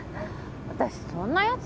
私そんなやつ？